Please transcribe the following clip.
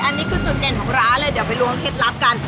อันนี้คือจุดเด่นของร้านเลยเดี๋ยวไปล้วงเคล็ดลับกัน